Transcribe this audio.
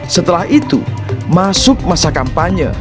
setelah itu masuk masa kampanye